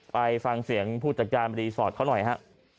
ไปฟังเสียงผู้จัดการรีสอร์ทเขาหน่อยฮะ